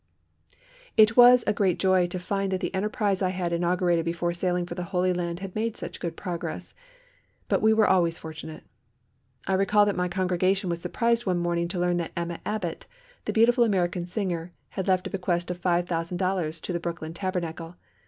It was a great joy to find that the enterprise I had inaugurated before sailing for the Holy Land had made such good progress. But we were always fortunate. I recall that my congregation was surprised one morning to learn that Emma Abbott, the beautiful American singer, had left a bequest of $5,000 to the Brooklyn Tabernacle.